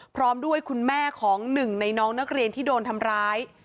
พร้อมด้วยคุณแม่ของหนึ่งในน้องนักเรียนที่โดนทำร้าย